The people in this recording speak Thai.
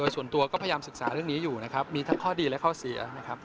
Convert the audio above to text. ส่วนตัวก็พยายามศึกษาเรื่องนี้อยู่มีทั้งข้อดีและข้อเสีย